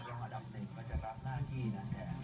ยังอันดับหนึ่งก็จะรับหน้าที่นั้นแทน